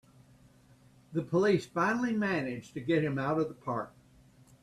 The police finally manage to get him out of the park!